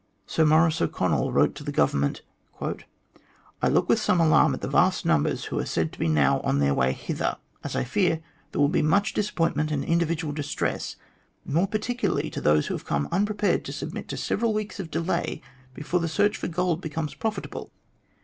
Sir Maurice O'Connell wrote to the Government :" I look with some alarm at the vast numbers who are said to be now on their way hither, as I fear there will be much dis appointment and individual distress, more particularly to those who come unprepared to submit to several weeks of delay before the search for gold becomes profitable.